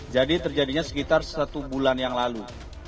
jadi terjadinya sekitar satu bulan yang lalu